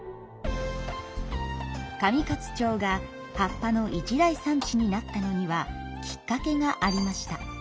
上勝町が葉っぱの一大産地になったのにはきっかけがありました。